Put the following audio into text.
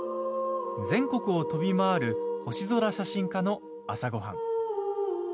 全国を飛び回る星空写真家の朝ごはん。